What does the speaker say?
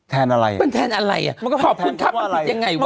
อะไรมันแทนอะไรอ่ะขอบคุณครับมันผิดยังไงวะ